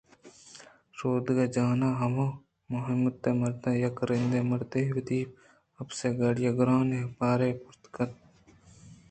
شودگ ءَ جان ءِ ہمّت ء مَرداں یک رَندے مردے ءَ وتی اپس گاڑی ءَ گرٛانیں بارے پِرکُت ءُ رَہ گپت